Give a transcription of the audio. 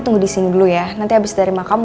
tunggu disini dulu ya nanti abis dari makam